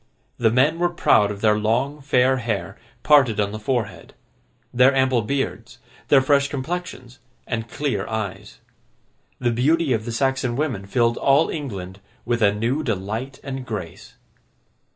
The men were proud of their long fair hair, parted on the forehead; their ample beards, their fresh complexions, and clear eyes. The beauty of the Saxon women filled all England with a new delight and grace.